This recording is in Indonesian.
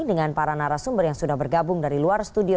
dengan para narasumber yang sudah bergabung dari luar studio